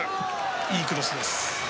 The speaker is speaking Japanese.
いいクロスです。